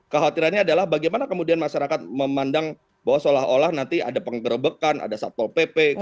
kekhawatirannya adalah bagaimana kemudian masyarakat memandang bahwa seolah olah nanti ada penggerebekan ada satpol pp